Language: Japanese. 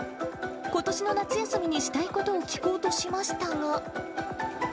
ことしの夏休みにしたいことを聞こうとしましたが。